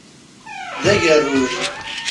D agerruj.